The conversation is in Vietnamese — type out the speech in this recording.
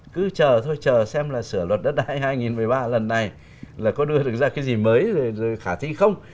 cứ chờ thôi chờ xem là sửa luật đất đai hai nghìn một mươi ba lần này là có đưa được ra cái gì mới rồi khả thi không